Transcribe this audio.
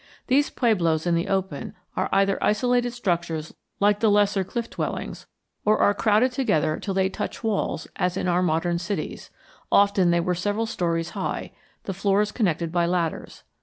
These pueblos in the open are either isolated structures like the lesser cliff dwellings, or are crowded together till they touch walls, as in our modern cities; often they were several stories high, the floors connected by ladders.